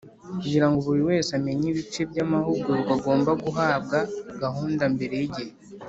Kugira ngo buri wese amenye ibice by’amahugurwa agomba guhabwa gahunda mbere y’igihe